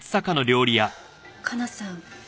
加奈さん